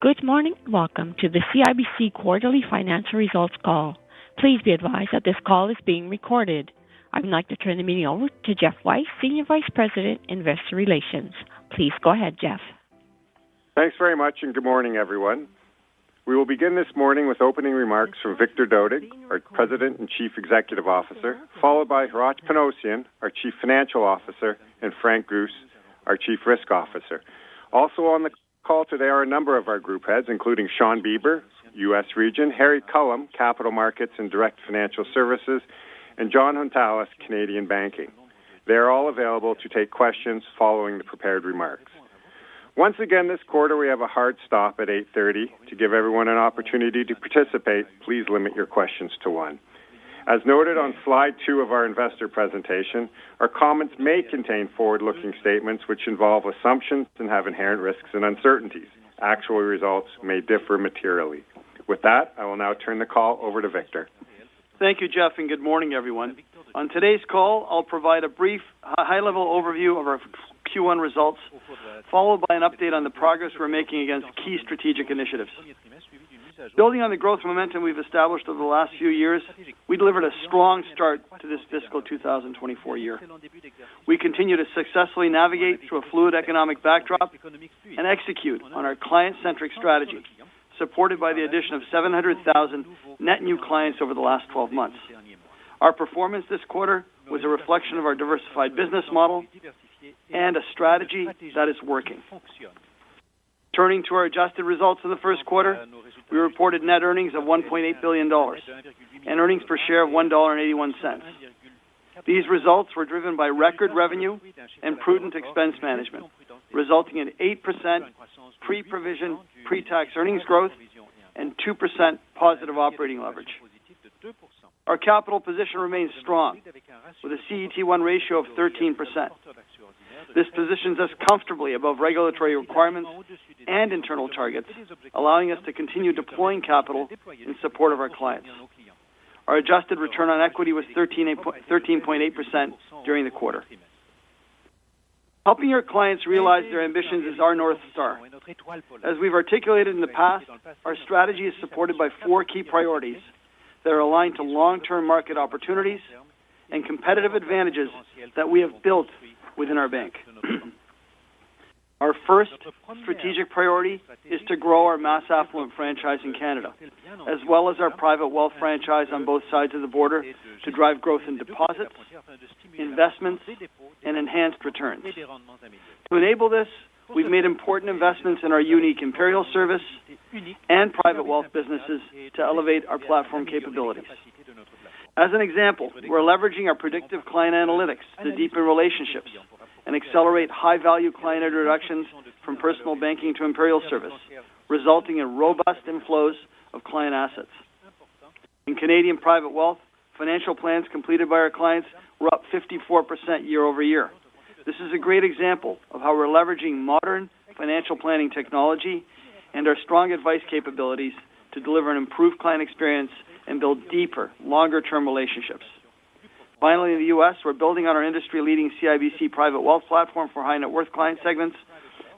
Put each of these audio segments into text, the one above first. Good morning. Welcome to the CIBC quarterly financial results call. Please be advised that this call is being recorded. I'd like to turn the meeting over to Geoff Weiss, Senior Vice President, Investor Relations. Please go ahead, Geoff. Thanks very much, and good morning, everyone. We will begin this morning with opening remarks from Victor Dodig, our President and Chief Executive Officer, followed by Hratch Panossian, our Chief Financial Officer, and Frank Guse, our Chief Risk Officer. Also on the call today are a number of our group heads, including Shawn Beber, U.S. Region, Harry Culham, Capital Markets and Direct Financial Services, and Jon Hountalas, Canadian Banking. They are all available to take questions following the prepared remarks. Once again, this quarter we have a hard stop at 8:30 A.M. To give everyone an opportunity to participate, please limit your questions to one. As noted on slide two of our investor presentation, our comments may contain forward-looking statements which involve assumptions and have inherent risks and uncertainties. Actual results may differ materially. With that, I will now turn the call over to Victor. Thank you, Geoff, and good morning, everyone. On today's call, I'll provide a brief, high-level overview of our Q1 results, followed by an update on the progress we're making against key strategic initiatives. Building on the growth momentum we've established over the last few years, we delivered a strong start to this fiscal 2024 year. We continue to successfully navigate through a fluid economic backdrop and execute on our client-centric strategy, supported by the addition of 700,000 net new clients over the last 12 months. Our performance this quarter was a reflection of our diversified business model and a strategy that is working. Turning to our adjusted results in the first quarter, we reported net earnings of 1.8 billion dollars and earnings per share of 1.81 dollar. These results were driven by record revenue and prudent expense management, resulting in 8% pre-provision pre-tax earnings growth and 2% positive operating leverage. Our capital position remains strong, with a CET1 ratio of 13%. This positions us comfortably above regulatory requirements and internal targets, allowing us to continue deploying capital in support of our clients. Our adjusted return on equity was 13.8% during the quarter. Helping our clients realize their ambitions is our north star. As we've articulated in the past, our strategy is supported by four key priorities that are aligned to long-term market opportunities and competitive advantages that we have built within our bank. Our first strategic priority is to grow our mass affluent franchise in Canada, as well as our private wealth franchise on both sides of the border to drive growth in deposits, investments, and enhanced returns. To enable this, we've made important investments in our unique Imperial Service and private wealth businesses to elevate our platform capabilities. As an example, we're leveraging our predictive client analytics to deepen relationships and accelerate high-value client introductions from personal banking to Imperial Service, resulting in robust inflows of client assets. In Canadian private wealth, financial plans completed by our clients were up 54% year-over-year. This is a great example of how we're leveraging modern financial planning technology and our strong advice capabilities to deliver an improved client experience and build deeper, longer-term relationships. Finally, in the U.S., we're building on our industry-leading CIBC Private Wealth platform for high-net-worth client segments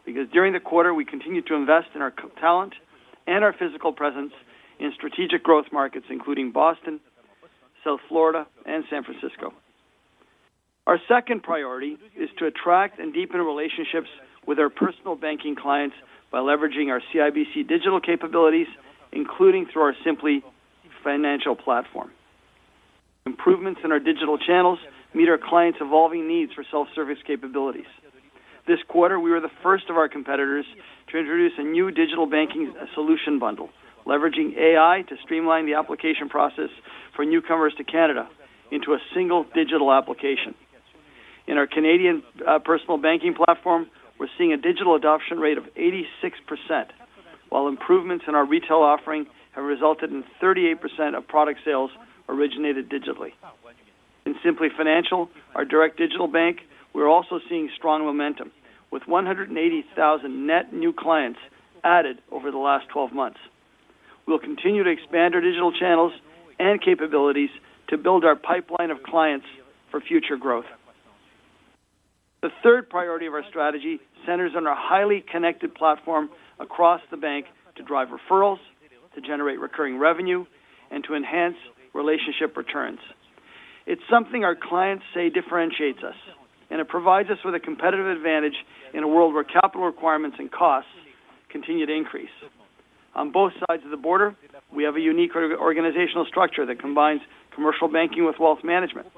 because during the quarter we continue to invest in our talent and our physical presence in strategic growth markets including Boston, South Florida, and San Francisco. Our second priority is to attract and deepen relationships with our personal banking clients by leveraging our CIBC digital capabilities, including through our Simplii Financial platform. Improvements in our digital channels meet our clients' evolving needs for self-service capabilities. This quarter, we were the first of our competitors to introduce a new digital banking solution bundle, leveraging AI to streamline the application process for newcomers to Canada into a single digital application. In our Canadian personal banking platform, we're seeing a digital adoption rate of 86%, while improvements in our retail offering have resulted in 38% of product sales originated digitally. In Simplii Financial, our direct digital bank, we're also seeing strong momentum, with 180,000 net new clients added over the last 12 months. We'll continue to expand our digital channels and capabilities to build our pipeline of clients for future growth. The third priority of our strategy centers on our highly connected platform across the bank to drive referrals, to generate recurring revenue, and to enhance relationship returns. It's something our clients say differentiates us, and it provides us with a competitive advantage in a world where capital requirements and costs continue to increase. On both sides of the border, we have a unique organizational structure that combines commercial banking with wealth management.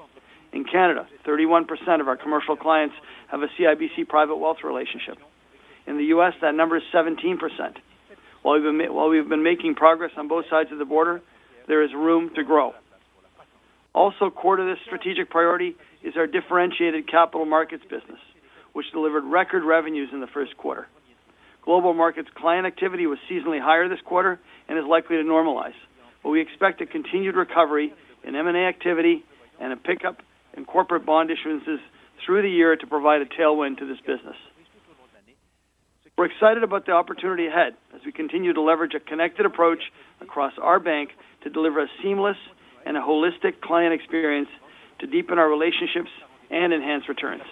In Canada, 31% of our commercial clients have a CIBC Private Wealth relationship. In the U.S., that number is 17%. While we've been making progress on both sides of the border, there is room to grow. Also, core to this strategic priority is our differentiated Capital Markets business, which delivered record revenues in the first quarter. Global Markets client activity was seasonally higher this quarter and is likely to normalize, but we expect a continued recovery in M&A activity and a pickup in corporate bond issuances through the year to provide a tailwind to this business. We're excited about the opportunity ahead as we continue to leverage a connected approach across our bank to deliver a seamless and a holistic client experience to deepen our relationships and enhance returns.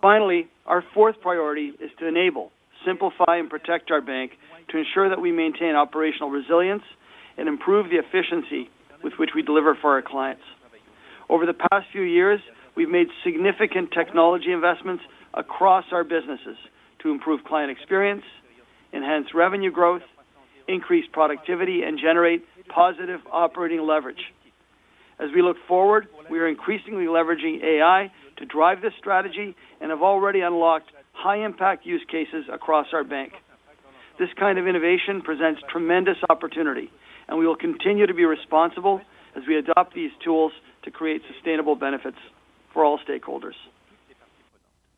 Finally, our fourth priority is to enable, simplify, and protect our bank to ensure that we maintain operational resilience and improve the efficiency with which we deliver for our clients. Over the past few years, we've made significant technology investments across our businesses to improve client experience, enhance revenue growth, increase productivity, and generate positive operating leverage. As we look forward, we are increasingly leveraging AI to drive this strategy and have already unlocked high-impact use cases across our bank. This kind of innovation presents tremendous opportunity, and we will continue to be responsible as we adopt these tools to create sustainable benefits for all stakeholders.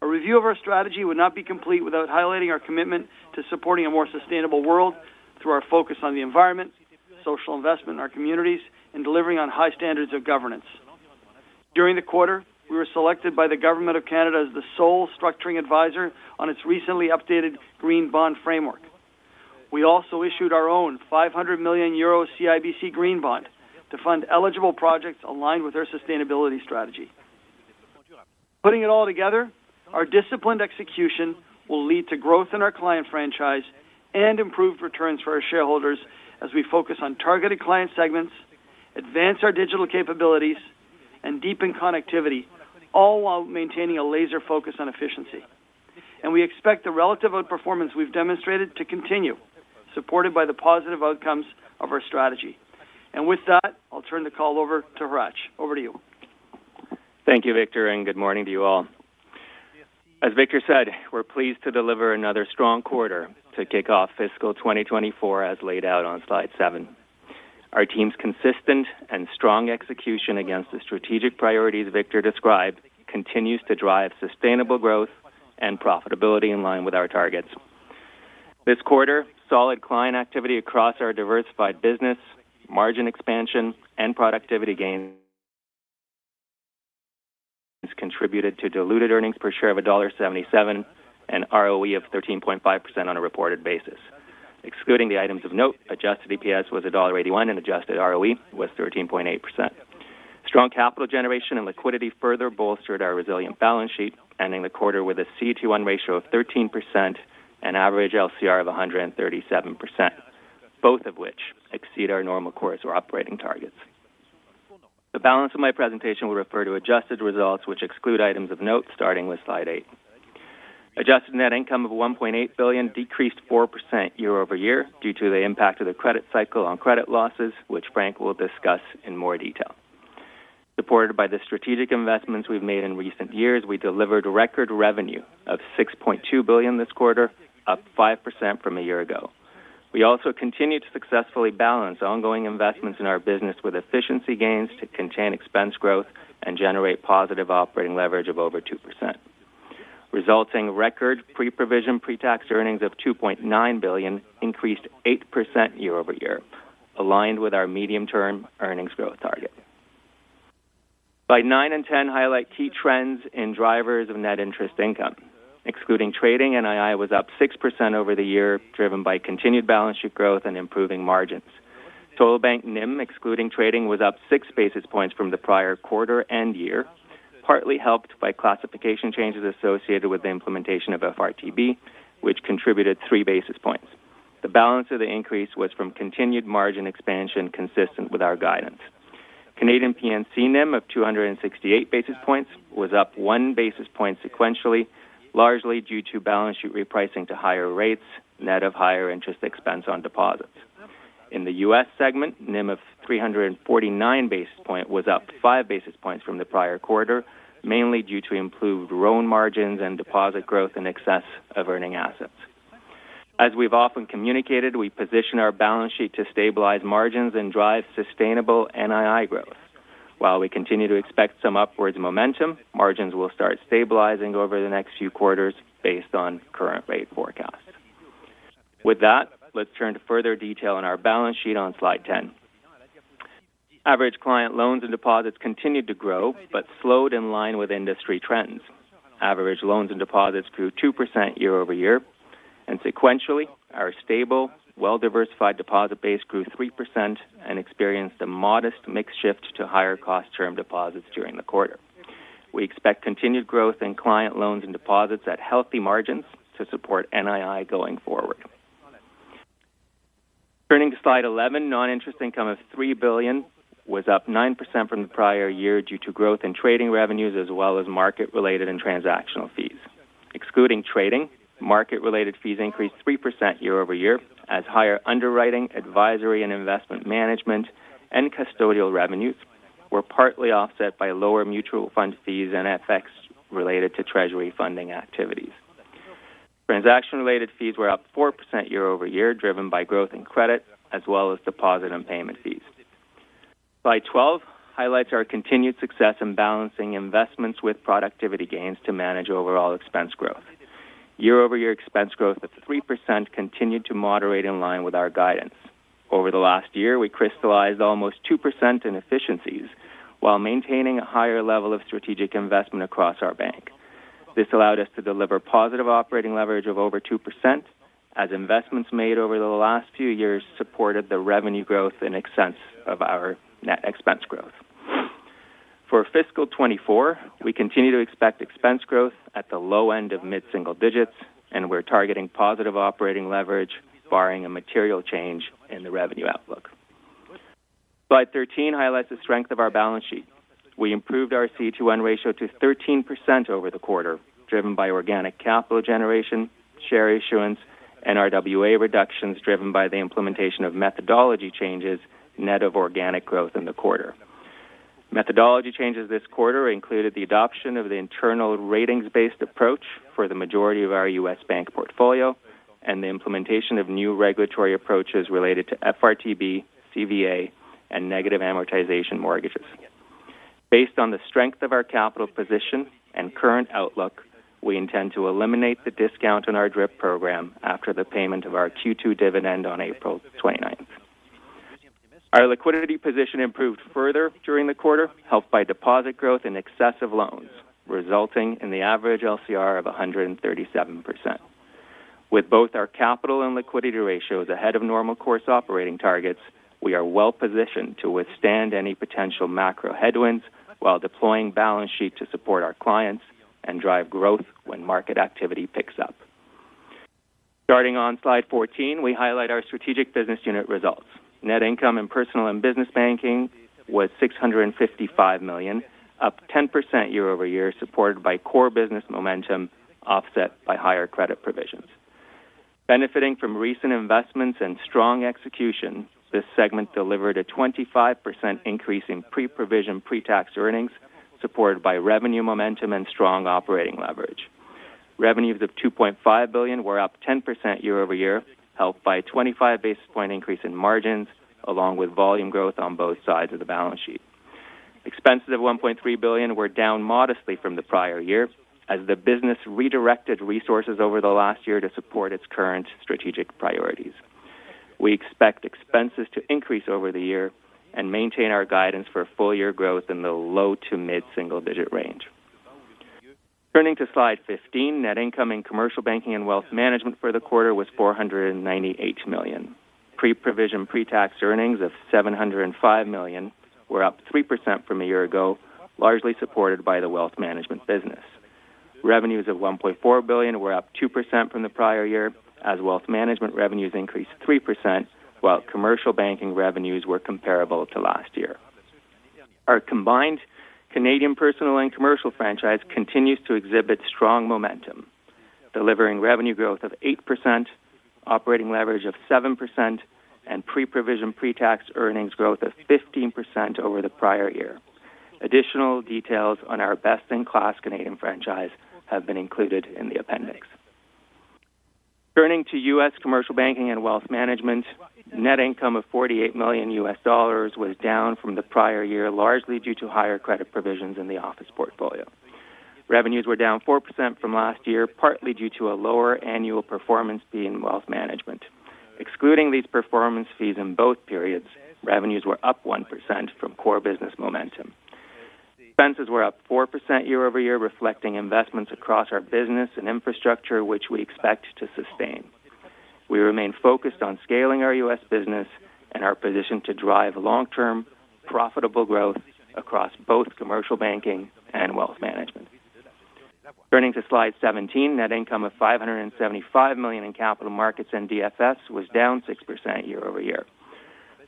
A review of our strategy would not be complete without highlighting our commitment to supporting a more sustainable world through our focus on the environment, social investment in our communities, and delivering on high standards of governance. During the quarter, we were selected by the Government of Canada as the sole structuring advisor on its recently updated Green Bond Framework. We also issued our own 500 million euro CIBC Green Bond to fund eligible projects aligned with our sustainability strategy. Putting it all together, our disciplined execution will lead to growth in our client franchise and improved returns for our shareholders as we focus on targeted client segments, advance our digital capabilities, and deepen connectivity, all while maintaining a laser focus on efficiency. We expect the relative outperformance we've demonstrated to continue, supported by the positive outcomes of our strategy. With that, I'll turn the call over to Hratch. Over to you. Thank you, Victor, and good morning to you all. As Victor said, we're pleased to deliver another strong quarter to kick off fiscal 2024 as laid out on slide seven. Our team's consistent and strong execution against the strategic priorities Victor described continues to drive sustainable growth and profitability in line with our targets. This quarter, solid client activity across our diversified business, margin expansion, and productivity gains contributed to diluted earnings per share of dollar 1.77 and ROE of 13.5% on a reported basis. Excluding the items of note, adjusted EPS was dollar 1.81 and adjusted ROE was 13.8%. Strong capital generation and liquidity further bolstered our resilient balance sheet, ending the quarter with a CET1 ratio of 13% and average LCR of 137%, both of which exceed our normal course or operating targets. The balance of my presentation will refer to adjusted results, which exclude items of note, starting with slide eight, adjusted net income of 1.8 billion decreased 4% year-over-year due to the impact of the credit cycle on credit losses, which Frank will discuss in more detail. Supported by the strategic investments we've made in recent years, we delivered record revenue of 6.2 billion this quarter, up 5% from a year ago. We also continue to successfully balance ongoing investments in our business with efficiency gains to contain expense growth and generate positive operating leverage of over 2%. Resulting record pre-provision pre-tax earnings of 2.9 billion increased 8% year-over-year, aligned with our medium-term earnings growth target. Slides nine and 10 highlight key trends in drivers of net interest income. Excluding trading, NII was up 6% year-over-year, driven by continued balance sheet growth and improving margins. Total Bank NIM, excluding trading, was up 6 basis points from the prior quarter-end year, partly helped by classification changes associated with the implementation of FRTB, which contributed 3 basis points. The balance of the increase was from continued margin expansion consistent with our guidance. Canadian P&C NIM of 268 basis points was up 1 basis point sequentially, largely due to balance sheet repricing to higher rates, net of higher interest expense on deposits. In the U.S. segment, NIM of 349 basis points was up 5 basis points from the prior quarter, mainly due to improved loan margins and deposit growth in excess of earning assets. As we've often communicated, we position our balance sheet to stabilize margins and drive sustainable NII growth. While we continue to expect some upwards momentum, margins will start stabilizing over the next few quarters based on current rate forecasts. With that, let's turn to further detail in our balance sheet on slide 10. Average client loans and deposits continued to grow but slowed in line with industry trends. Average loans and deposits grew 2% year-over-year, and sequentially, our stable, well-diversified deposit base grew 3% and experienced a modest mixed shift to higher-cost term deposits during the quarter. We expect continued growth in client loans and deposits at healthy margins to support NII going forward. Turning to slide 11, non-interest income of 3 billion was up 9% from the prior year due to growth in trading revenues as well as market-related and transactional fees. Excluding trading, market-related fees increased 3% year-over-year as higher underwriting, advisory, and investment management, and custodial revenues were partly offset by lower mutual fund fees and FX related to treasury funding activities. Transaction-related fees were up 4% year-over-year, driven by growth in credit as well as deposit and payment fees. Slide 12 highlights our continued success in balancing investments with productivity gains to manage overall expense growth. Year-over-year expense growth of 3% continued to moderate in line with our guidance. Over the last year, we crystallized almost 2% in efficiencies while maintaining a higher level of strategic investment across our bank. This allowed us to deliver positive operating leverage of over 2% as investments made over the last few years supported the revenue growth in excess of our net expense growth. For fiscal 2024, we continue to expect expense growth at the low end of mid-single digits, and we're targeting positive operating leverage barring a material change in the revenue outlook. Slide 13 highlights the strength of our balance sheet. We improved our CET1 ratio to 13% over the quarter, driven by organic capital generation, share issuance, and RWA reductions driven by the implementation of methodology changes net of organic growth in the quarter. Methodology changes this quarter included the adoption of the internal ratings-based approach for the majority of our U.S. bank portfolio and the implementation of new regulatory approaches related to FRTB, CVA, and negative amortization mortgages. Based on the strength of our capital position and current outlook, we intend to eliminate the discount on our DRIP program after the payment of our Q2 dividend on April 29th. Our liquidity position improved further during the quarter, helped by deposit growth and excessive loans, resulting in the average LCR of 137%. With both our capital and liquidity ratios ahead of normal course operating targets, we are well-positioned to withstand any potential macro headwinds while deploying balance sheet to support our clients and drive growth when market activity picks up. Starting on slide 14, we highlight our strategic business unit results. Net income in Personal and Business Banking was 655 million, up 10% year-over-year supported by core business momentum offset by higher credit provisions. Benefiting from recent investments and strong execution, this segment delivered a 25% increase in pre-provision pre-tax earnings supported by revenue momentum and strong operating leverage. Revenues of 2.5 billion were up 10% year-over-year, helped by a 25 basis point increase in margins along with volume growth on both sides of the balance sheet. Expenses of 1.3 billion were down modestly from the prior year as the business redirected resources over the last year to support its current strategic priorities. We expect expenses to increase over the year and maintain our guidance for full-year growth in the low to mid-single digit range. Turning to slide 15, net income in Commercial Banking and Wealth Management for the quarter was 498 million. Pre-provision pre-tax earnings of 705 million were up 3% from a year ago, largely supported by the wealth management business. Revenues of 1.4 billion were up 2% from the prior year as wealth management revenues increased 3% while commercial banking revenues were comparable to last year. Our combined Canadian personal and commercial franchise continues to exhibit strong momentum, delivering revenue growth of 8%, operating leverage of 7%, and pre-provision pre-tax earnings growth of 15% over the prior year. Additional details on our best-in-class Canadian franchise have been included in the appendix. Turning to U.S. Commercial Banking and Wealth Management, net income of $48 million was down from the prior year, largely due to higher credit provisions in the office portfolio. Revenues were down 4% from last year, partly due to a lower annual performance fee in wealth management. Excluding these performance fees in both periods, revenues were up 1% from core business momentum. Expenses were up 4% year-over-year, reflecting investments across our business and infrastructure, which we expect to sustain. We remain focused on scaling our U.S. business and our position to drive long-term, profitable growth across both Commercial Banking and Wealth Management. Turning to slide 17, net income of $575 million in Capital Markets and DFS was down 6% year-over-year.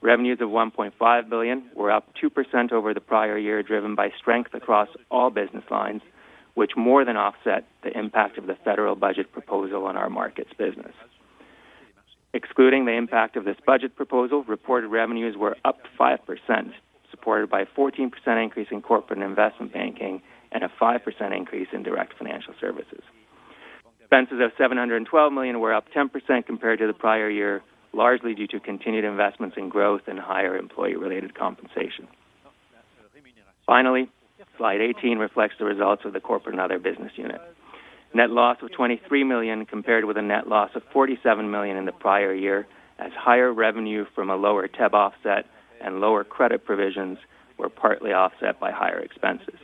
Revenues of 1.5 billion were up 2% over the prior year, driven by strength across all business lines, which more than offset the impact of the federal budget proposal on our markets business. Excluding the impact of this budget proposal, reported revenues were up 5%, supported by a 14% increase in corporate and investment banking and a 5% increase in Direct Financial Services. Expenses of 712 million were up 10% compared to the prior year, largely due to continued investments in growth and higher employee-related compensation. Finally, slide 18 reflects the results of the Corporate and Other business unit. Net loss of 23 million compared with a net loss of 47 million in the prior year as higher revenue from a lower TEB offset and lower credit provisions were partly offset by higher expenses.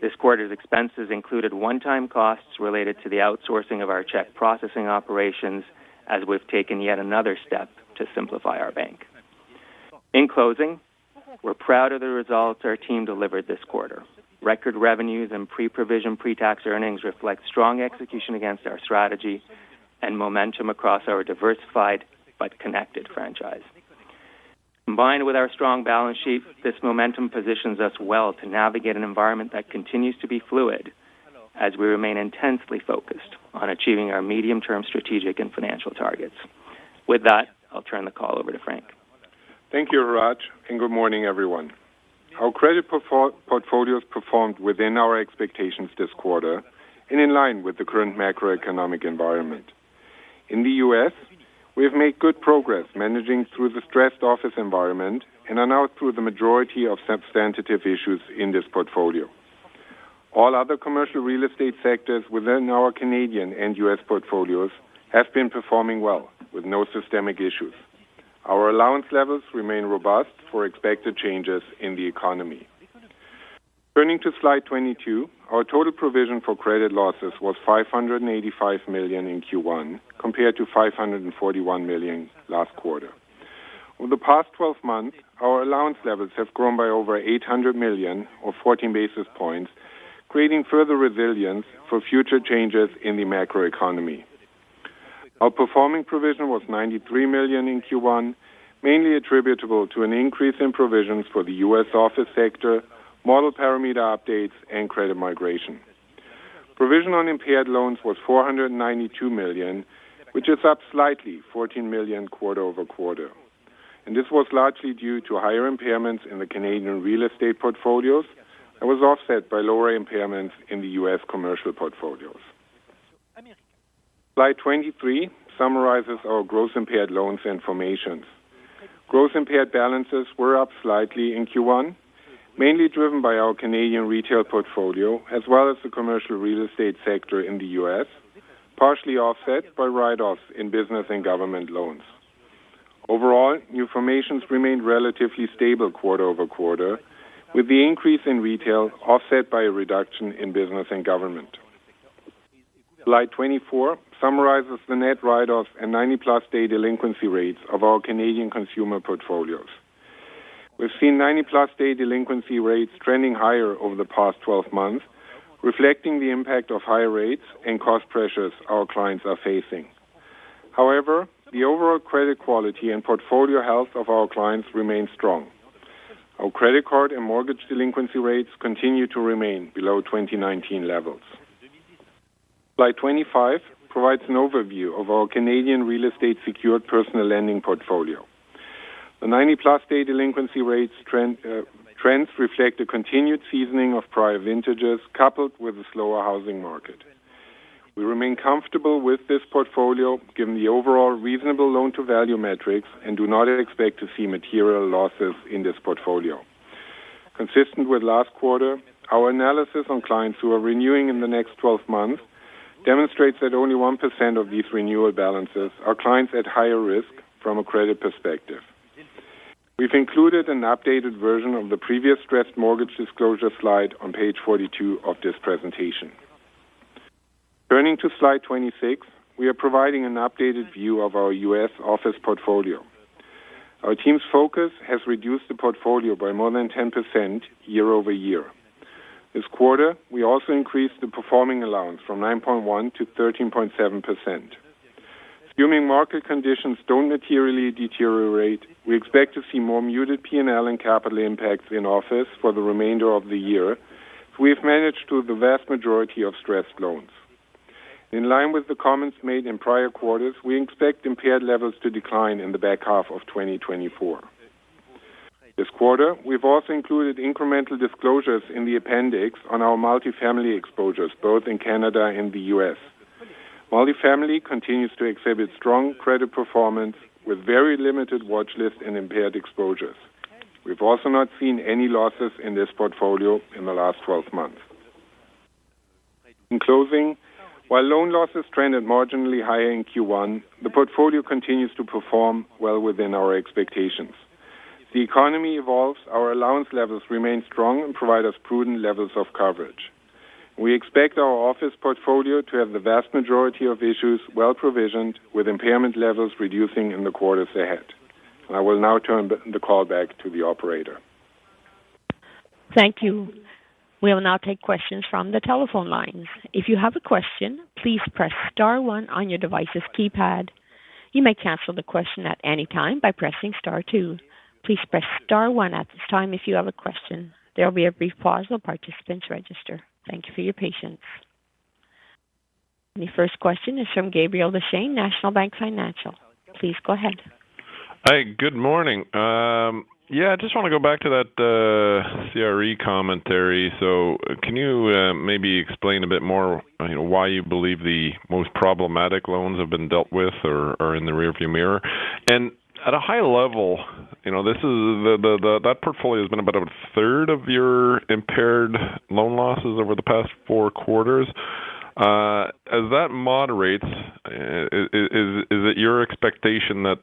This quarter's expenses included one-time costs related to the outsourcing of our cheque processing operations as we've taken yet another step to simplify our bank. In closing, we're proud of the results our team delivered this quarter. Record revenues and pre-provision pre-tax earnings reflect strong execution against our strategy and momentum across our diversified but connected franchise. Combined with our strong balance sheet, this momentum positions us well to navigate an environment that continues to be fluid as we remain intensely focused on achieving our medium-term strategic and financial targets. With that, I'll turn the call over to Frank. Thank you, Hratch, and good morning, everyone. Our credit portfolios performed within our expectations this quarter and in line with the current macroeconomic environment. In the U.S., we've made good progress managing through the stressed office environment and are now through the majority of substantive issues in this portfolio. All other commercial real estate sectors within our Canadian and U.S. portfolios have been performing well, with no systemic issues. Our allowance levels remain robust for expected changes in the economy. Turning to slide 22, our total provision for credit losses was 585 million in Q1 compared to 541 million last quarter. Over the past 12 months, our allowance levels have grown by over 800 million or 14 basis points, creating further resilience for future changes in the macroeconomy. Our performing provision was 93 million in Q1, mainly attributable to an increase in provisions for the U.S. office sector, model parameter updates, and credit migration. Provision on impaired loans was 492 million, which is up slightly, 14 million quarter over quarter. And this was largely due to higher impairments in the Canadian real estate portfolios that was offset by lower impairments in the U.S. commercial portfolios. Slide 23 summarizes our gross impaired loans and formations. Gross impaired balances were up slightly in Q1, mainly driven by our Canadian retail portfolio as well as the commercial real estate sector in the U.S., partially offset by write-offs in business and government loans. Overall, new formations remained relatively stable quarter over quarter, with the increase in retail offset by a reduction in business and government. Slide 24 summarizes the net write-offs and 90+ day delinquency rates of our Canadian consumer portfolios. We've seen 90+ day delinquency rates trending higher over the past 12 months, reflecting the impact of higher rates and cost pressures our clients are facing. However, the overall credit quality and portfolio health of our clients remain strong. Our credit card and mortgage delinquency rates continue to remain below 2019 levels. Slide 25 provides an overview of our Canadian real estate-secured personal lending portfolio. The 90+ day delinquency rates trends reflect a continued seasoning of prior vintages coupled with a slower housing market. We remain comfortable with this portfolio given the overall reasonable loan-to-value metrics and do not expect to see material losses in this portfolio. Consistent with last quarter, our analysis on clients who are renewing in the next 12 months demonstrates that only 1% of these renewal balances are clients at higher risk from a credit perspective. We've included an updated version of the previous stressed mortgage disclosure slide on page 42 of this presentation. Turning to slide 26, we are providing an updated view of our U.S. office portfolio. Our team's focus has reduced the portfolio by more than 10% year-over-year. This quarter, we also increased the performing allowance from 9.1%-13.7%. Assuming market conditions don't materially deteriorate, we expect to see more muted P&L and capital impacts in office for the remainder of the year if we have managed through the vast majority of stressed loans. In line with the comments made in prior quarters, we expect impaired levels to decline in the back half of 2024. This quarter, we've also included incremental disclosures in the appendix on our multifamily exposures, both in Canada and the U.S. Multifamily continues to exhibit strong credit performance with very limited watchlist and impaired exposures. We've also not seen any losses in this portfolio in the last 12 months. In closing, while loan losses trended marginally higher in Q1, the portfolio continues to perform well within our expectations. The economy evolves, our allowance levels remain strong, and provide us prudent levels of coverage. We expect our office portfolio to have the vast majority of issues well-provisioned, with impairment levels reducing in the quarters ahead. I will now turn the call back to the operator. Thank you. We will now take questions from the telephone lines. If you have a question, please press star one on your device's keypad. You may cancel the question at any time by pressing star two. Please press star one at this time if you have a question. There will be a brief pause while participants register. Thank you for your patience. The first question is from Gabriel Dechaine, National Bank Financial. Please go ahead. Hi. Good morning. Yeah, I just want to go back to that CRE commentary. So, can you maybe explain a bit more, you know, why you believe the most problematic loans have been dealt with or in the rearview mirror? And at a high level, you know, this is the CRE portfolio that has been about a third of your impaired loan losses over the past four quarters. As that moderates, is it your expectation that,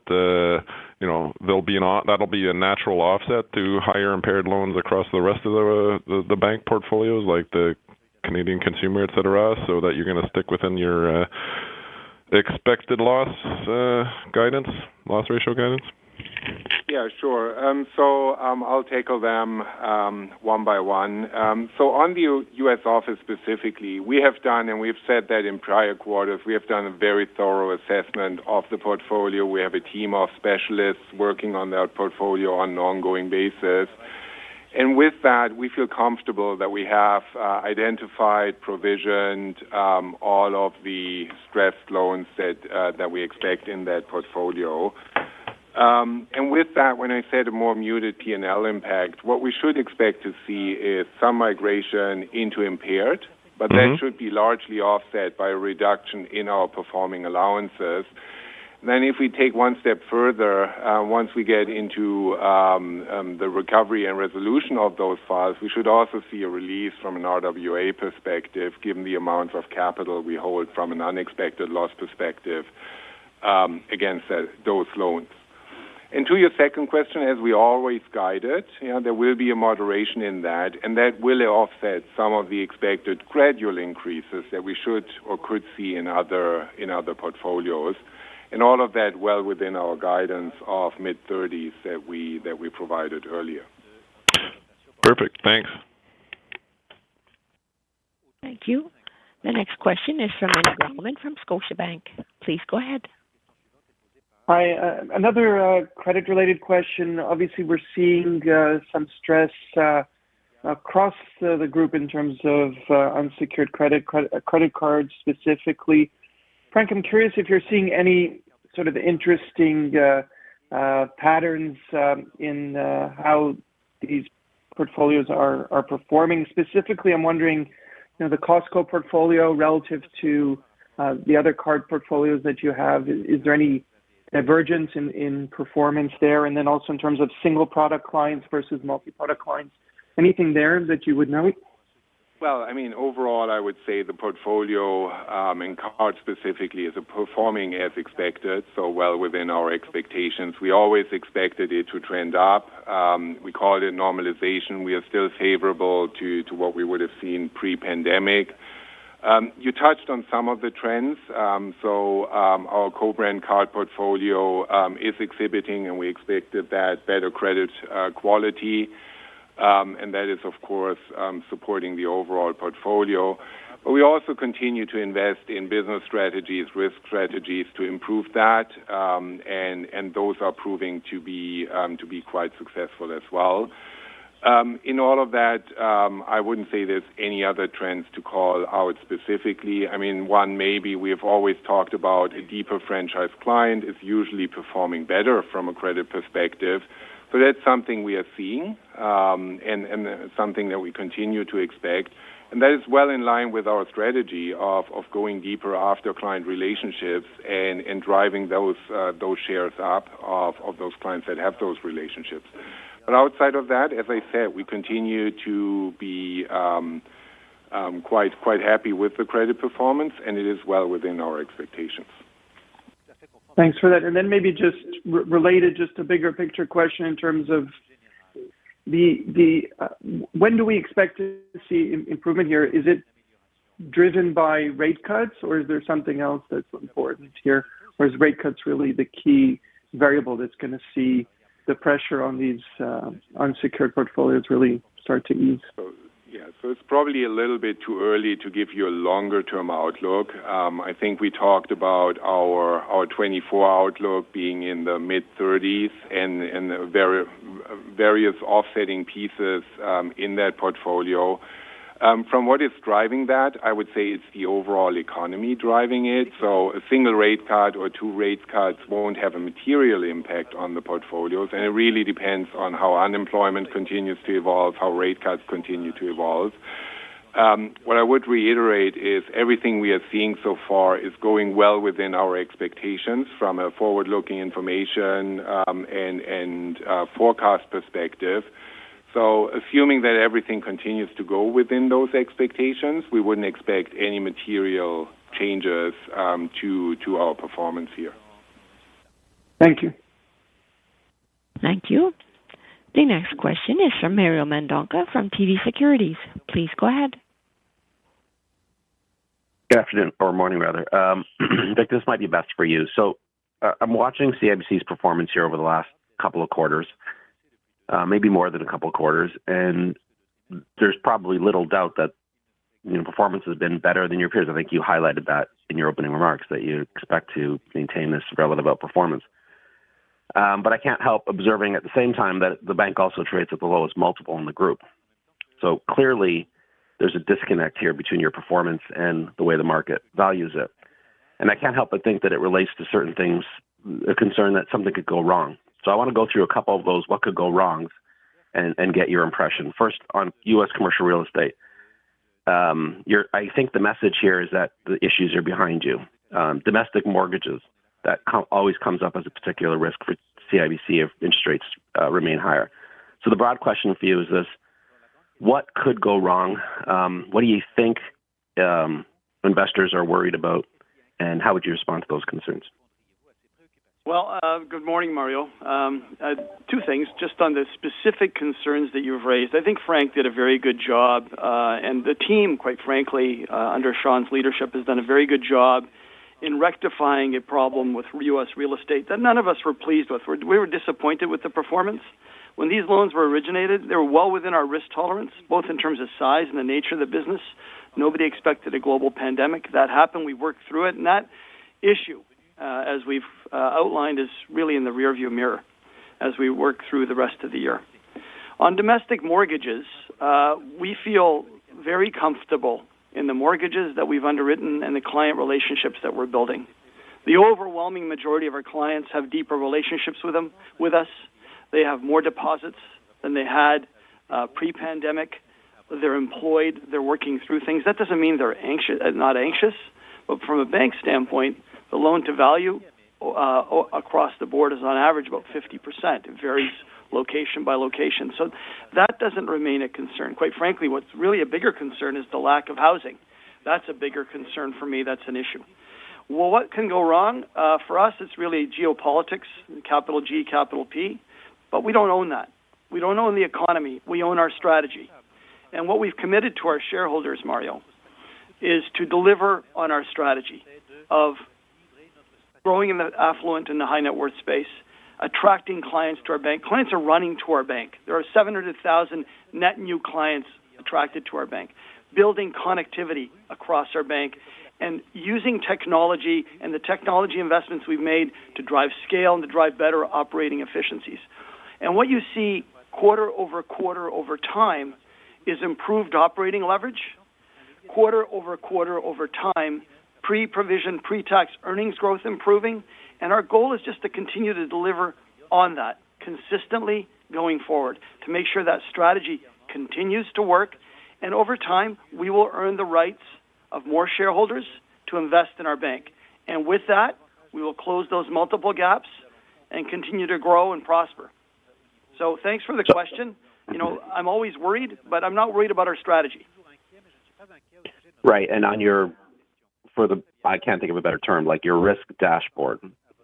you know, there'll be an offset that'll be a natural offset to higher impaired loans across the rest of the bank portfolios, like the Canadian consumer, etc., so that you're going to stick within your expected loss guidance, loss ratio guidance? Yeah, sure. So, I'll tackle them, one by one. So on the U.S. office specifically, we have done and we've said that in prior quarters, we have done a very thorough assessment of the portfolio. We have a team of specialists working on that portfolio on an ongoing basis. And with that, we feel comfortable that we have identified, provisioned, all of the stressed loans that, that we expect in that portfolio. And with that, when I said a more muted P&L impact, what we should expect to see is some migration into impaired, but that should be largely offset by a reduction in our performing allowances. Then if we take one step further, once we get into the recovery and resolution of those files, we should also see a release from an RWA perspective given the amounts of capital we hold from an unexpected loss perspective, against those loans. To your second question, as we always guided, you know, there will be a moderation in that, and that will offset some of the expected gradual increases that we should or could see in other portfolios. And all of that well within our guidance of mid-30s that we provided earlier. Perfect. Thanks. Thank you. The next question is from Meny Grauman from Scotiabank. Please go ahead. Hi. Another credit-related question. Obviously, we're seeing some stress across the group in terms of unsecured credit cards specifically. Frank, I'm curious if you're seeing any sort of interesting patterns in how these portfolios are performing. Specifically, I'm wondering, you know, the Costco portfolio relative to the other card portfolios that you have, is there any divergence in performance there? And then also in terms of single-product clients versus multi-product clients, anything there that you would note? Well, I mean, overall, I would say the portfolio, and card specifically is performing as expected, so well within our expectations. We always expected it to trend up. We call it normalization. We are still favorable to, to what we would have seen pre-pandemic. You touched on some of the trends. So, our co-brand card portfolio is exhibiting, and we expected that, better credit quality. And that is, of course, supporting the overall portfolio. But we also continue to invest in business strategies, risk strategies to improve that, and, and those are proving to be, to be quite successful as well. In all of that, I wouldn't say there's any other trends to call out specifically. I mean, one, maybe we have always talked about a deeper franchise client is usually performing better from a credit perspective. So that's something we are seeing, and something that we continue to expect. And that is well in line with our strategy of going deeper after client relationships and driving those shares up of those clients that have those relationships. But outside of that, as I said, we continue to be quite happy with the credit performance, and it is well within our expectations. Thanks for that. And then maybe just related, just a bigger picture question in terms of. The when do we expect to see improvement here? Is it driven by rate cuts, or is there something else that's important here? Or is rate cuts really the key variable that's going to see the pressure on these, unsecured portfolios really start to ease? So, yeah, so it's probably a little bit too early to give you a longer-term outlook. I think we talked about our 2024 outlook being in the mid-30s and various offsetting pieces in that portfolio. From what is driving that, I would say it's the overall economy driving it. So a single rate cut or two rate cuts won't have a material impact on the portfolios, and it really depends on how unemployment continues to evolve, how rate cuts continue to evolve. What I would reiterate is everything we are seeing so far is going well within our expectations from a forward-looking information and forecast perspective. So assuming that everything continues to go within those expectations, we wouldn't expect any material changes to our performance here. Thank you. Thank you. The next question is from Mario Mendonca from TD Securities. Please go ahead. Good afternoon or morning, rather. Vic, this might be best for you. So, I'm watching CIBC's performance here over the last couple of quarters, maybe more than a couple of quarters, and there's probably little doubt that, you know, performance has been better than your peers. I think you highlighted that in your opening remarks, that you expect to maintain this relative outperformance. But I can't help observing at the same time that the bank also trades at the lowest multiple in the group. So clearly, there's a disconnect here between your performance and the way the market values it. And I can't help but think that it relates to certain things, a concern that something could go wrong. So I want to go through a couple of those what could go wrongs and, and get your impression. First, on U.S. Commercial real estate, you're I think the message here is that the issues are behind you. Domestic mortgages, that always comes up as a particular risk for CIBC if interest rates remain higher. So the broad question for you is this: what could go wrong? What do you think investors are worried about, and how would you respond to those concerns? Well, good morning, Mario. Two things. Just on the specific concerns that you've raised, I think Frank did a very good job, and the team, quite frankly, under Shawn's leadership, has done a very good job in rectifying a problem with U.S. real estate that none of us were pleased with. We were disappointed with the performance. When these loans were originated, they were well within our risk tolerance, both in terms of size and the nature of the business. Nobody expected a global pandemic. That happened. We worked through it. And that issue, as we've outlined, is really in the rearview mirror as we work through the rest of the year. On domestic mortgages, we feel very comfortable in the mortgages that we've underwritten and the client relationships that we're building. The overwhelming majority of our clients have deeper relationships with them, with us. They have more deposits than they had pre-pandemic. They're employed. They're working through things. That doesn't mean they're anxious, not anxious. But from a bank standpoint, the loan-to-value across the board is on average about 50%. It varies location by location. So that doesn't remain a concern. Quite frankly, what's really a bigger concern is the lack of housing. That's a bigger concern for me. That's an issue. Well, what can go wrong? For us, it's really geopolitics, capital G, capital P, but we don't own that. We don't own the economy. We own our strategy. And what we've committed to our shareholders, Mario, is to deliver on our strategy of growing in the affluent and the high-net-worth space, attracting clients to our bank. Clients are running to our bank. There are 700,000 net new clients attracted to our bank, building connectivity across our bank, and using technology and the technology investments we've made to drive scale and to drive better operating efficiencies. What you see quarter-over-quarter over time is improved operating leverage, quarter-over-quarter over time, pre-provision, pre-tax, earnings growth improving. Our goal is just to continue to deliver on that consistently going forward to make sure that strategy continues to work. Over time, we will earn the rights of more shareholders to invest in our bank. With that, we will close those multiple gaps and continue to grow and prosper. So thanks for the question. You know, I'm always worried, but I'm not worried about our strategy. Right. And on your for the, I can't think of a better term, like your risk dashboard,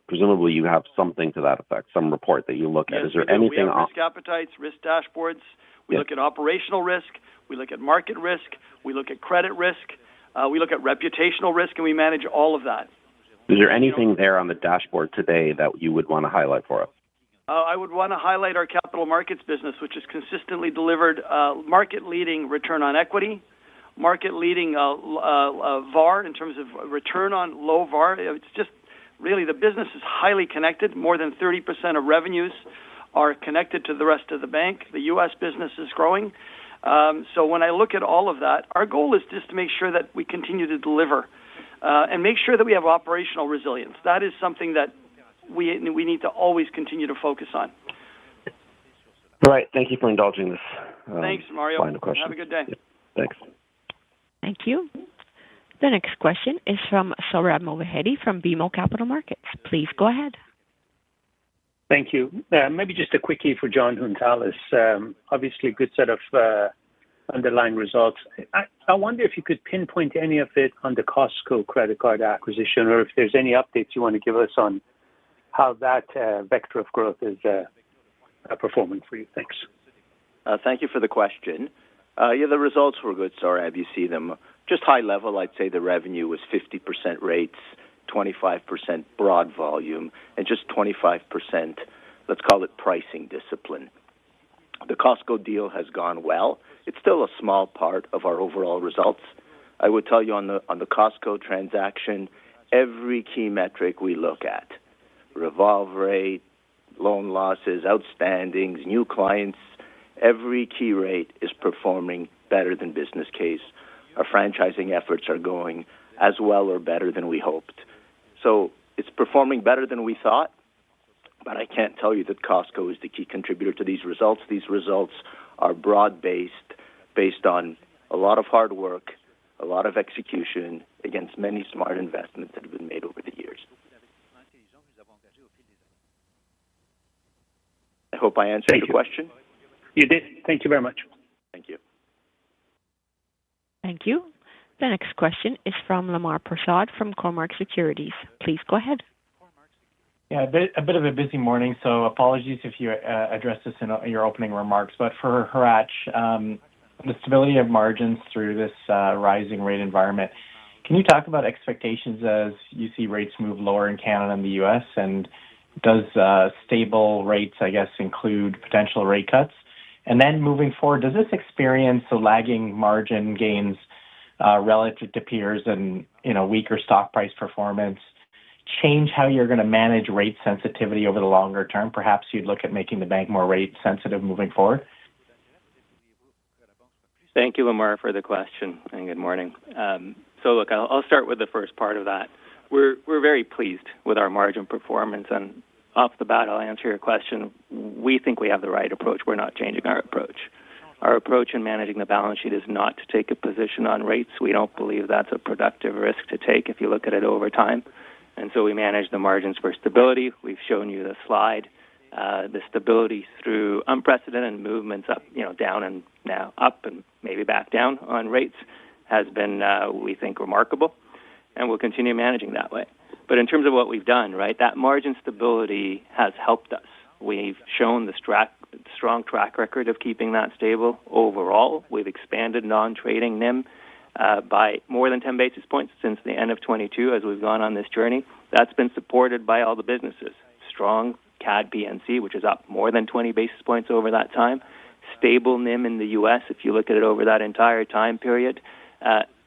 presumably you have something to that effect, some report that you look at. Is there anything on? Yeah. We look at risk appetites, risk dashboards. We look at operational risk. We look at market risk. We look at credit risk. We look at reputational risk, and we manage all of that. Is there anything there on the dashboard today that you would want to highlight for us? I would want to highlight our Capital Markets business, which has consistently delivered market-leading return on equity, market-leading low VAR in terms of return on low VAR. It's just really the business is highly connected. More than 30% of revenues are connected to the rest of the bank. The U.S. business is growing. So when I look at all of that, our goal is just to make sure that we continue to deliver, and make sure that we have operational resilience. That is something that we and we need to always continue to focus on. All right. Thank you for indulging this. Thanks, Mario. Final question. Have a good day. Thanks. Thank you. The next question is from Sohrab Movahedi from BMO Capital Markets. Please go ahead. Thank you. Maybe just a quickie for Jon Hountalas. Obviously, good set of underlying results. I, I wonder if you could pinpoint any of it on the Costco credit card acquisition or if there's any updates you want to give us on how that vector of growth is performing for you. Thanks. Thank you for the question. Yeah, the results were good, Sohrab, you see them. Just high level, I'd say the revenue was 50% rates, 25% broad volume, and just 25%, let's call it, pricing discipline. The Costco deal has gone well. It's still a small part of our overall results. I would tell you on the Costco transaction, every key metric we look at, revolve rate, loan losses, outstandings, new clients, every key rate is performing better than business case. Our franchising efforts are going as well or better than we hoped. So it's performing better than we thought, but I can't tell you that Costco is the key contributor to these results. These results are broad-based, based on a lot of hard work, a lot of execution against many smart investments that have been made over the years. I hope I answered your question. Thank you. You did. Thank you very much. Thank you. Thank you. The next question is from Lemar Persaud from Cormark Securities. Please go ahead. Yeah. A bit of a busy morning, so apologies if you addressed this in your opening remarks. But for Hratch, the stability of margins through this rising rate environment, can you talk about expectations as you see rates move lower in Canada and the U.S.? And does stable rates, I guess, include potential rate cuts? And then moving forward, does this experience the lagging margin gains, relative to peers and, you know, weaker stock price performance change how you're going to manage rate sensitivity over the longer term? Perhaps you'd look at making the bank more rate-sensitive moving forward? Thank you, Lemar, for the question, and good morning. So look, I'll, I'll start with the first part of that. We're, we're very pleased with our margin performance. And off the bat, I'll answer your question. We think we have the right approach. We're not changing our approach. Our approach in managing the balance sheet is not to take a position on rates. We don't believe that's a productive risk to take if you look at it over time. And so we manage the margins for stability. We've shown you the slide. The stability through unprecedented movements up, you know, down and now up and maybe back down on rates has been, we think, remarkable. And we'll continue managing that way. But in terms of what we've done, right, that margin stability has helped us. We've shown the strong track record of keeping that stable overall. We've expanded non-trading NIM by more than 10 basis points since the end of 2022 as we've gone on this journey. That's been supported by all the businesses. Strong CAD/P&C, which is up more than 20 basis points over that time, stable NIM in the U.S. if you look at it over that entire time period,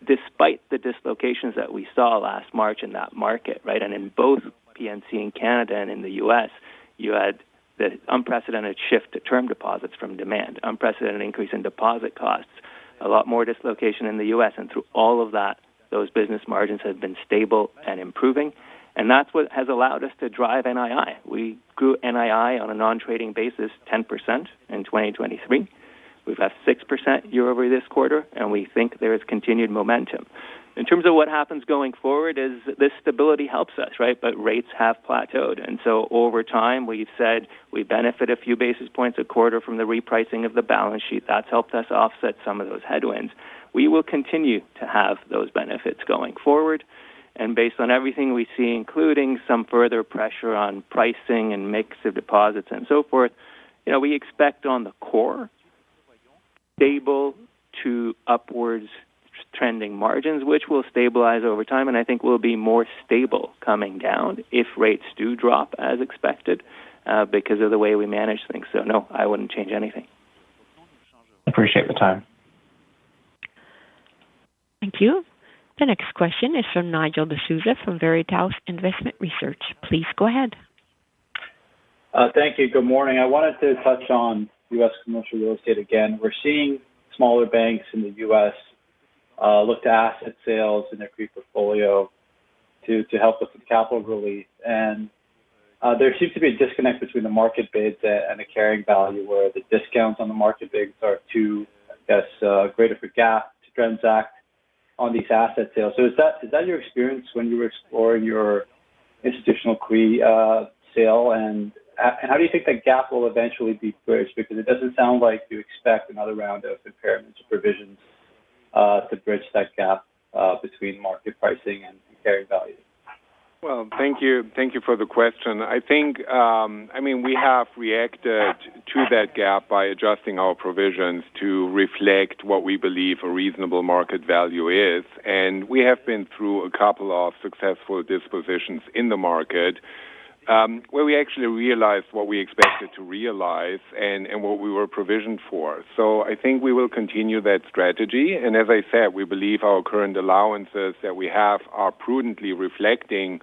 despite the dislocations that we saw last March in that market, right? And in both P&C in Canada and in the U.S., you had the unprecedented shift to term deposits from demand, unprecedented increase in deposit costs, a lot more dislocation in the U.S. And through all of that, those business margins have been stable and improving. And that's what has allowed us to drive NII. We grew NII on a non-trading basis 10% in 2023. We've left 6% year-over-year this quarter, and we think there is continued momentum. In terms of what happens going forward is this stability helps us, right? But rates have plateaued. And so over time, we've said we benefit a few basis points a quarter from the repricing of the balance sheet. That's helped us offset some of those headwinds. We will continue to have those benefits going forward. And based on everything we see, including some further pressure on pricing and mix of deposits and so forth, you know, we expect on the core, stable to upwards trending margins, which will stabilize over time, and I think we'll be more stable coming down if rates do drop as expected, because of the way we manage things. So no, I wouldn't change anything. I appreciate the time. Thank you. The next question is from Nigel D'Souza from Veritas Investment Research. Please go ahead. Thank you. Good morning. I wanted to touch on U.S. commercial real estate again. We're seeing smaller banks in the U.S. look to asset sales in their CRE portfolio to help with the capital release. And there seems to be a disconnect between the market bids and the carrying value where the discounts on the market bids are too, I guess, greater for gap to transact on these asset sales. So is that your experience when you were exploring your institutional CRE sale? And how do you think that gap will eventually be bridged? Because it doesn't sound like you expect another round of impairments or provisions to bridge that gap between market pricing and carrying value. Well, thank you. Thank you for the question. I think, I mean, we have reacted to that gap by adjusting our provisions to reflect what we believe a reasonable market value is. And we have been through a couple of successful dispositions in the market, where we actually realized what we expected to realize and what we were provisioned for. So I think we will continue that strategy. And as I said, we believe our current allowances that we have are prudently reflecting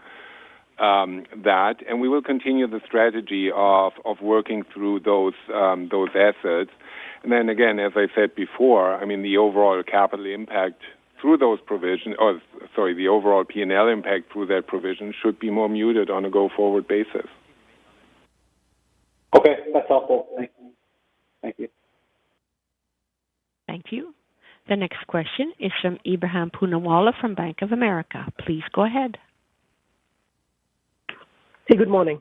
that. And we will continue the strategy of working through those assets. And then again, as I said before, I mean, the overall capital impact through those provisions or sorry, the overall P&L impact through that provision should be more muted on a go-forward basis. Okay. That's helpful. Thank you. Thank you. Thank you. The next question is from Ebrahim Poonawala from Bank of America. Please go ahead. Hey, good morning.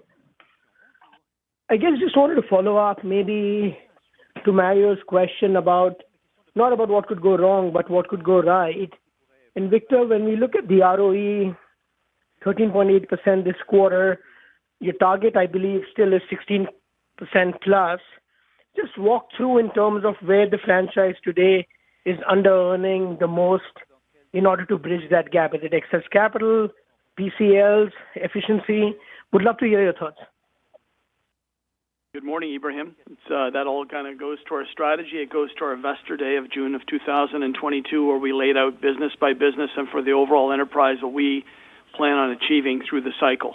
I guess I just wanted to follow up maybe to Mario's question about not about what could go wrong, but what could go right. It and Victor, when we look at the ROE, 13.8% this quarter, your target, I believe, still is 16%+. Just walk through in terms of where the franchise today is under-earning the most in order to bridge that gap. Is it excess capital, PCLs, efficiency? Would love to hear your thoughts. Good morning, Ebrahim. It's that all kind of goes to our strategy. It goes to our Investor Day of June of 2022 where we laid out business by business and for the overall enterprise what we plan on achieving through the cycle.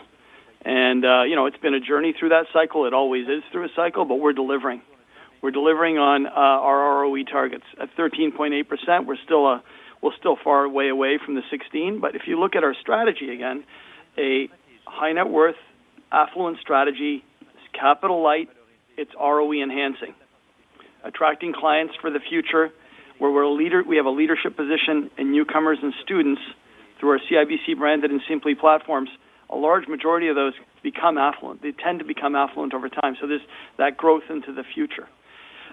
And, you know, it's been a journey through that cycle. It always is through a cycle, but we're delivering. We're delivering on our ROE targets. At 13.8%, we're still far away from the 16. But if you look at our strategy again, a high-net-worth, affluent strategy, it's capital light. It's ROE-enhancing, attracting clients for the future where we're a leader, we have a leadership position in newcomers and students through our CIBC-branded and Simplii platforms. A large majority of those become affluent. They tend to become affluent over time. So there's that growth into the future.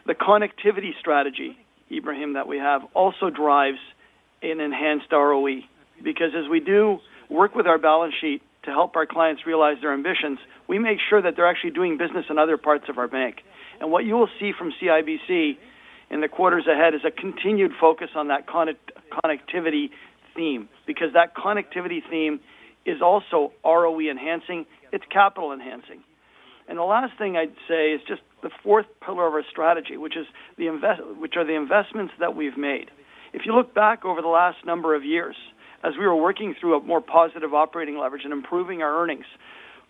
The connectivity strategy, Ebrahim, that we have also drives an enhanced ROE. Because as we do work with our balance sheet to help our clients realize their ambitions, we make sure that they're actually doing business in other parts of our bank. And what you will see from CIBC in the quarters ahead is a continued focus on that connectivity theme. Because that connectivity theme is also ROE-enhancing. It's capital-enhancing. And the last thing I'd say is just the fourth pillar of our strategy, which is the invest which are the investments that we've made. If you look back over the last number of years as we were working through a more positive operating leverage and improving our earnings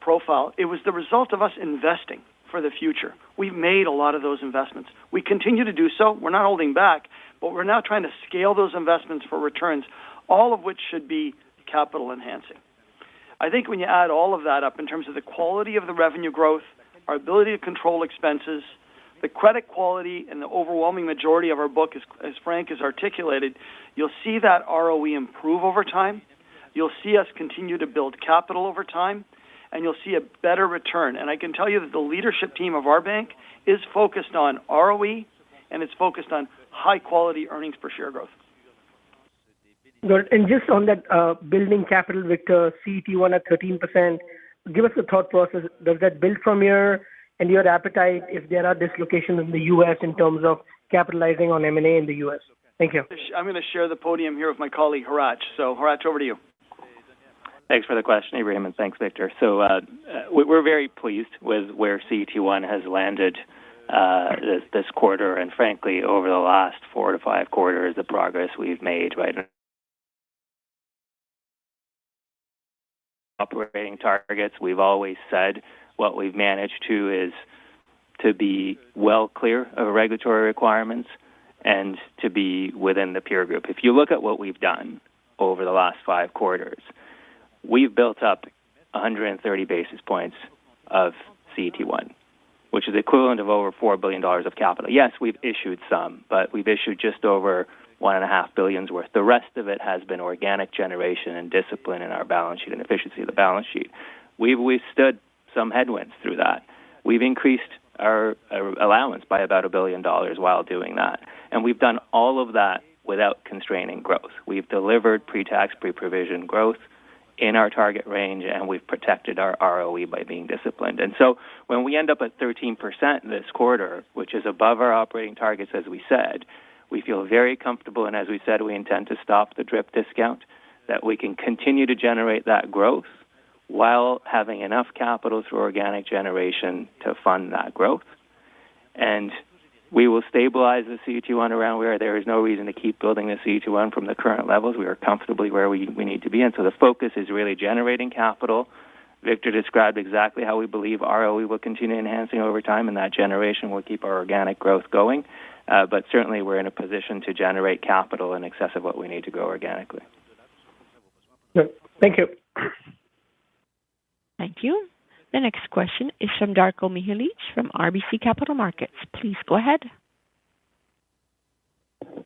profile, it was the result of us investing for the future. We've made a lot of those investments. We continue to do so. We're not holding back, but we're now trying to scale those investments for returns, all of which should be capital-enhancing. I think when you add all of that up in terms of the quality of the revenue growth, our ability to control expenses, the credit quality, and the overwhelming majority of our book is, as Frank has articulated, you'll see that ROE improve over time. You'll see us continue to build capital over time, and you'll see a better return. I can tell you that the leadership team of our bank is focused on ROE, and it's focused on high-quality earnings per share growth. Good. Just on that, building capital, Victor, CET1 at 13%, give us a thought process. Does that build from your and your appetite if there are dislocations in the U.S. in terms of capitalizing on M&A in the U.S.? Thank you. I'm going to share the podium here with my colleague Hratch. So Hratch, over to you. Thanks for the question, Ibrahim, and thanks, Victor. So, we're very pleased with where CET1 has landed, this quarter. And frankly, over the last four to five quarters, the progress we've made, right, in operating targets, we've always said what we've managed to is to be well clear of regulatory requirements and to be within the peer group. If you look at what we've done over the last five quarters, we've built up 130 basis points of CET1, which is equivalent of over $4 billion of capital. Yes, we've issued some, but we've issued just over 1.5 billion's worth. The rest of it has been organic generation and discipline in our balance sheet and efficiency of the balance sheet. We've stood some headwinds through that. We've increased our allowance by about $1 billion while doing that. And we've done all of that without constraining growth. We've delivered pre-tax, pre-provision growth in our target range, and we've protected our ROE by being disciplined. So when we end up at 13% this quarter, which is above our operating targets, as we said, we feel very comfortable. As we said, we intend to stop the DRIP discount, that we can continue to generate that growth while having enough capital through organic generation to fund that growth. We will stabilize the CET1 around where there is no reason to keep building the CET1 from the current levels. We are comfortably where we need to be. So the focus is really generating capital. Victor described exactly how we believe ROE will continue enhancing over time, and that generation will keep our organic growth going. But certainly, we're in a position to generate capital in excess of what we need to grow organically. Good. Thank you. Thank you. The next question is from Darko Mihelic from RBC Capital Markets. Please go ahead.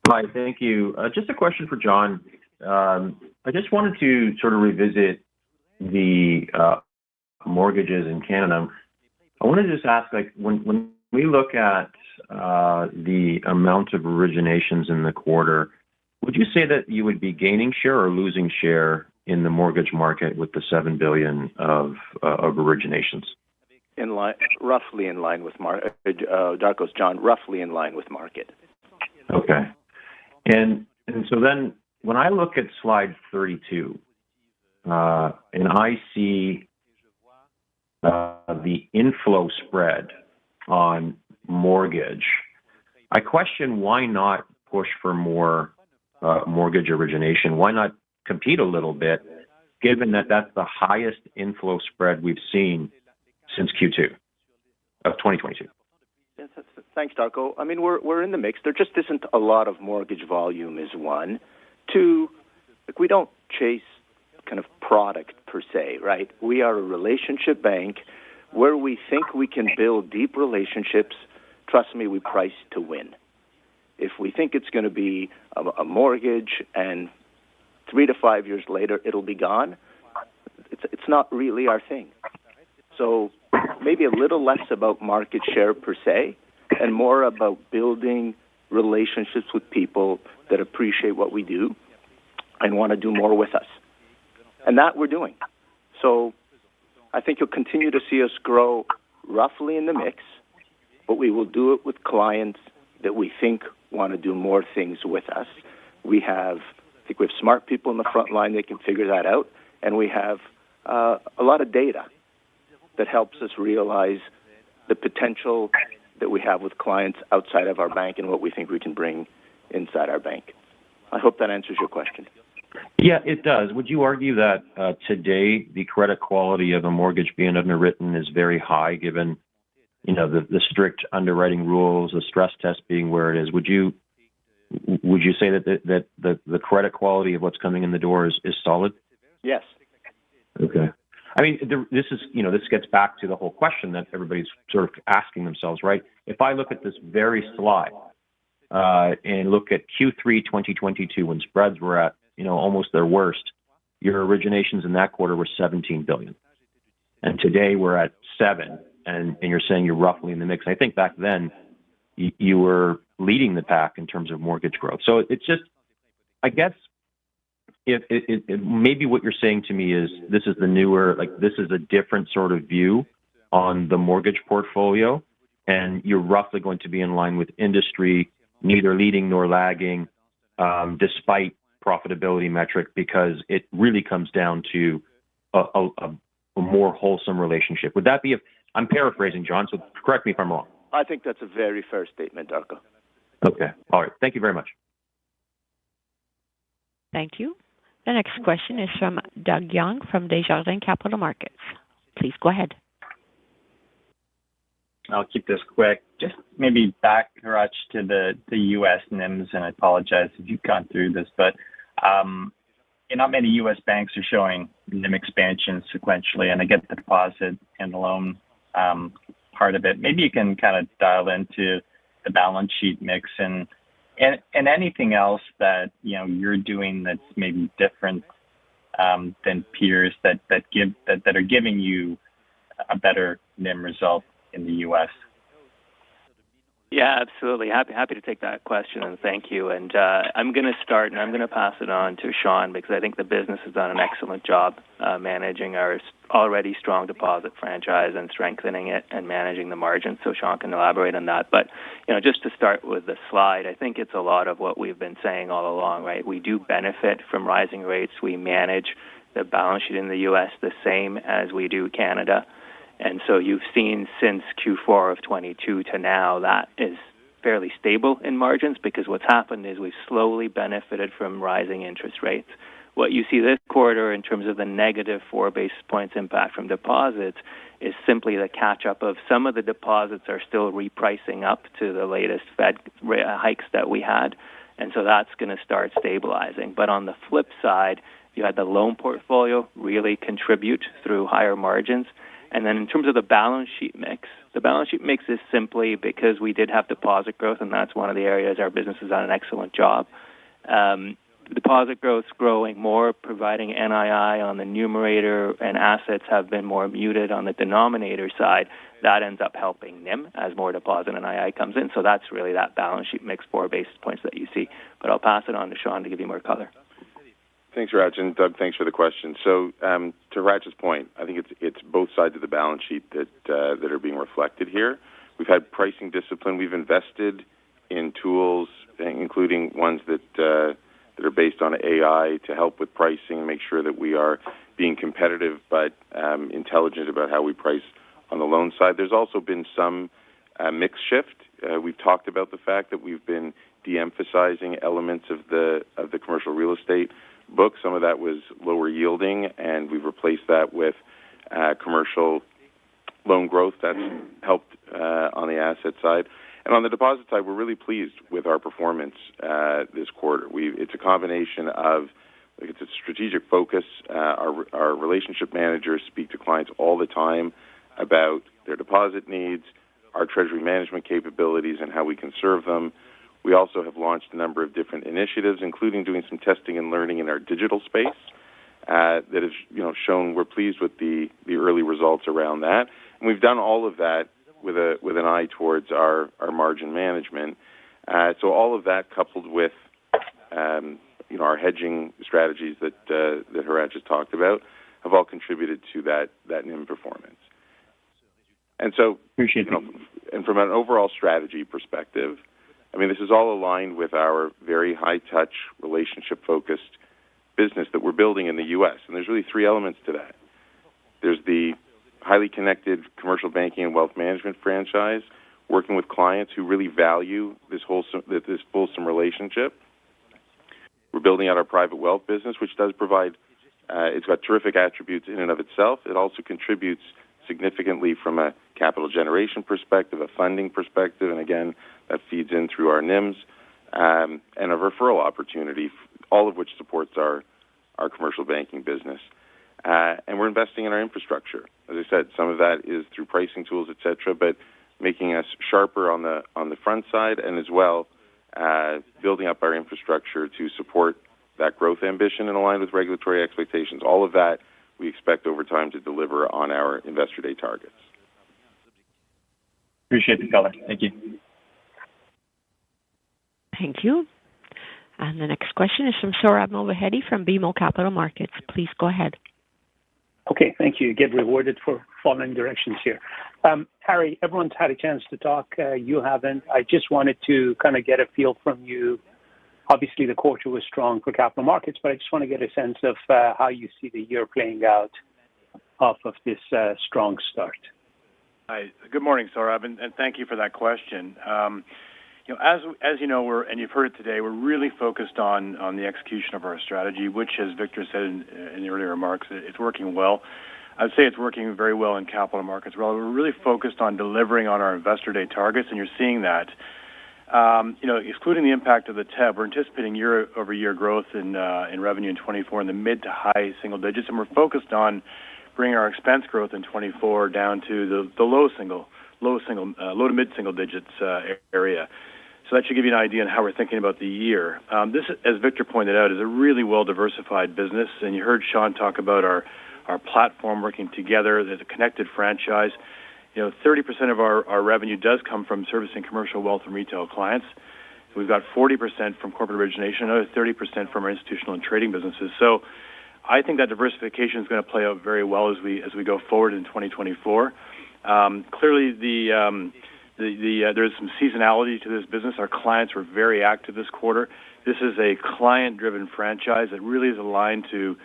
Hi. Thank you. Just a question for Jon. I just wanted to sort of revisit the mortgages in Canada. I wanted to just ask, like, when, when we look at the amount of originations in the quarter, would you say that you would be gaining share or losing share in the mortgage market with the 7 billion of originations? In line, roughly in line with Darko's, Jon, roughly in line with market. Okay. So then when I look at slide 32, and I see the inflow spread on mortgage, I question why not push for more mortgage origination, why not compete a little bit given that that's the highest inflow spread we've seen since Q2 of 2022. Yeah. That's thanks, Darko. I mean, we're in the mix. There just isn't a lot of mortgage volume is one. Two, like, we don't chase kind of product per se, right? We are a relationship bank where we think we can build deep relationships. Trust me, we price to win. If we think it's going to be a mortgage and three to five years later, it'll be gone, it's not really our thing. So maybe a little less about market share per se and more about building relationships with people that appreciate what we do and want to do more with us. And that we're doing. So I think you'll continue to see us grow roughly in the mix, but we will do it with clients that we think want to do more things with us. We have, I think, smart people in the front line. They can figure that out. We have a lot of data that helps us realize the potential that we have with clients outside of our bank and what we think we can bring inside our bank. I hope that answers your question. Yeah, it does. Would you argue that, today, the credit quality of a mortgage being underwritten is very high given, you know, the strict underwriting rules, the stress test being where it is? Would you say that the credit quality of what's coming in the door is solid? Yes. Okay. I mean, this is you know, this gets back to the whole question that everybody's sort of asking themselves, right? If I look at this very slide, and look at Q3 2022 when spreads were at, you know, almost their worst, your originations in that quarter were 17 billion. And today, we're at 7 billion, and you're saying you're roughly in the mix. I think back then, you were leading the pack in terms of mortgage growth. So it's just I guess if maybe what you're saying to me is this is the newer like, this is a different sort of view on the mortgage portfolio, and you're roughly going to be in line with industry, neither leading nor lagging, despite profitability metric because it really comes down to a more wholesome relationship. Would that be? I'm paraphrasing, Jon, so correct me if I'm wrong. I think that's a very fair statement, Darko. Okay. All right. Thank you very much. Thank you. The next question is from Doug Young from Desjardins Capital Markets. Please go ahead. I'll keep this quick. Just maybe back, Hratch, to the U.S. NIMS, and I apologize if you've gone through this. But, you know, not many U.S. banks are showing NIM expansion sequentially, and I get the deposit and the loan part of it. Maybe you can kind of dial into the balance sheet mix and anything else that, you know, you're doing that's maybe different than peers that are giving you a better NIM result in the U.S. Yeah, absolutely. Happy, happy to take that question, and thank you. And, I'm going to start, and I'm going to pass it on to Shawn because I think the business has done an excellent job, managing our already strong deposit franchise and strengthening it and managing the margins. So Shawn can elaborate on that. But, you know, just to start with the slide, I think it's a lot of what we've been saying all along, right? We do benefit from rising rates. We manage the balance sheet in the U.S. the same as we do Canada. And so you've seen since Q4 of 2022 to now, that is fairly stable in margins because what's happened is we've slowly benefited from rising interest rates. What you see this quarter in terms of the -4 basis points impact from deposits is simply the catch-up of some of the deposits are still repricing up to the latest Fed rate hikes that we had. And so that's going to start stabilizing. But on the flip side, you had the loan portfolio really contribute through higher margins. And then in terms of the balance sheet mix, the balance sheet mix is simply because we did have deposit growth, and that's one of the areas our business has done an excellent job. Deposit growth's growing more, providing NII on the numerator, and assets have been more muted on the denominator side. That ends up helping NIM as more deposit and NII comes in. So that's really that balance sheet mix 4 basis points that you see. But I'll pass it on to Shawn to give you more color. Thanks, Hratch. And Doug, thanks for the question. So, to Hratch's point, I think it's both sides of the balance sheet that are being reflected here. We've had pricing discipline. We've invested in tools, including ones that are based on AI to help with pricing, make sure that we are being competitive but intelligent about how we price on the loan side. There's also been some mix shift. We've talked about the fact that we've been de-emphasizing elements of the commercial real estate book. Some of that was lower yielding, and we've replaced that with commercial loan growth. That's helped on the asset side. And on the deposit side, we're really pleased with our performance this quarter. We've it's a combination of like, it's a strategic focus. Our relationship managers speak to clients all the time about their deposit needs, our treasury management capabilities, and how we can serve them. We also have launched a number of different initiatives, including doing some testing and learning in our digital space, that has, you know, shown we're pleased with the early results around that. And we've done all of that with an eye towards our margin management. So all of that coupled with, you know, our hedging strategies that Hratch has talked about have all contributed to that NIM performance. And so. Appreciate that. And from an overall strategy perspective, I mean, this is all aligned with our very high-touch, relationship-focused business that we're building in the U.S. And there's really three elements to that. There's the highly connected Commercial Banking and Wealth Management franchise, working with clients who really value this wholesome relationship. We're building out our private wealth business, which does provide it's got terrific attributes in and of itself. It also contributes significantly from a capital generation perspective, a funding perspective, and again, that feeds in through our NIMs, and a referral opportunity, all of which supports our commercial banking business. We're investing in our infrastructure. As I said, some of that is through pricing tools, etc., but making us sharper on the front side and as well, building up our infrastructure to support that growth ambition and align with regulatory expectations. All of that we expect over time to deliver on our Investor Day targets. Appreciate the color. Thank you. Thank you. The next question is from Sohrab Movahedi from BMO Capital Markets. Please go ahead. Okay. Thank you. You get rewarded for following directions here. Harry, everyone's had a chance to talk. You haven't. I just wanted to kind of get a feel from you. Obviously, the quarter was strong for capital markets, but I just want to get a sense of, how you see the year playing out off of this, strong start? Hi. Good morning, Sohrab, and thank you for that question. You know, as you know, we're, and you've heard it today, we're really focused on the execution of our strategy, which, as Victor said in the earlier remarks, it's working well. I'd say it's working very well in Capital Markets. We're really focused on delivering on our Investor Day targets, and you're seeing that. You know, excluding the impact of the TEB, we're anticipating year-over-year growth in revenue in 2024 in the mid- to high-single digits. And we're focused on bringing our expense growth in 2024 down to the low- to mid-single digits area. So that should give you an idea on how we're thinking about the year. This, as Victor pointed out, is a really well-diversified business. You heard Shawn talk about our platform working together, the connected franchise. You know, 30% of our revenue does come from servicing commercial wealth and retail clients. We've got 40% from corporate origination, another 30% from our institutional and trading businesses. So I think that diversification's going to play out very well as we go forward in 2024. Clearly, there is some seasonality to this business. Our clients were very active this quarter. This is a client-driven franchise that really is aligned to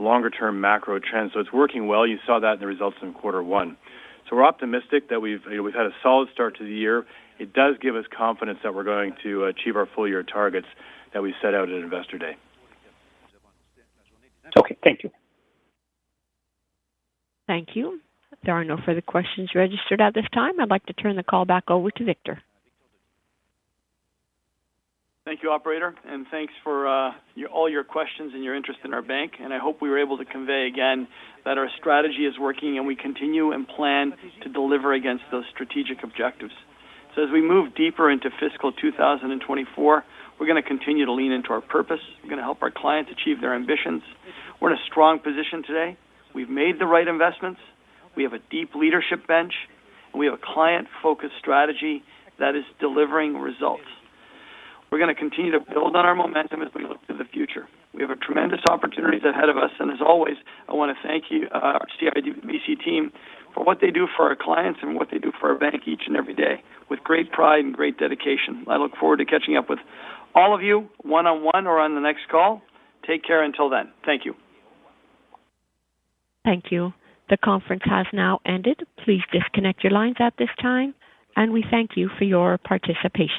longer-term macro trends. So it's working well. You saw that in the results in quarter one. So we're optimistic that we've you know, we've had a solid start to the year. It does give us confidence that we're going to achieve our full-year targets that we set out at Investor Day. Okay. Thank you. Thank you. There are no further questions registered at this time. I'd like to turn the call back over to Victor. Thank you, operator. Thanks for all your questions and your interest in our bank. I hope we were able to convey again that our strategy is working, and we continue and plan to deliver against those strategic objectives. As we move deeper into fiscal 2024, we're going to continue to lean into our purpose. We're going to help our clients achieve their ambitions. We're in a strong position today. We've made the right investments. We have a deep leadership bench, and we have a client-focused strategy that is delivering results. We're going to continue to build on our momentum as we look to the future. We have tremendous opportunities ahead of us. As always, I want to thank you, our CIBC team, for what they do for our clients and what they do for our bank each and every day with great pride and great dedication. I look forward to catching up with all of you one-on-one or on the next call. Take care until then. Thank you. Thank you. The conference has now ended. Please disconnect your lines at this time. We thank you for your participation.